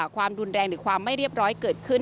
ความรุนแรงหรือความไม่เรียบร้อยเกิดขึ้น